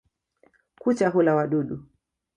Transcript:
Kucha hula wadudu.